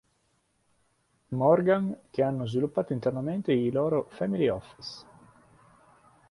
Morgan che hanno sviluppato internamente i loro f"amily office.